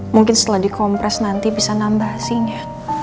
mungkin setelah dikompres nanti bisa nambah singa